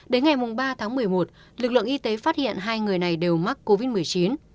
đến ngày ba tháng một mươi một lực lượng y tế phát hiện hai người này đều mắc covid một mươi chín